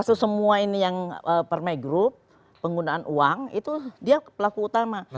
kalau semua ini yang permai group penggunaan uang itu dia pelaku utama